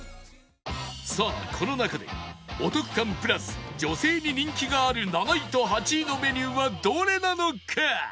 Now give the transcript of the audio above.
さあこの中でお得感プラス女性に人気がある７位と８位のメニューはどれなのか？